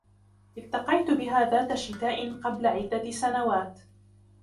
التقيت بها ذات شتاء قبل عدة سنوات.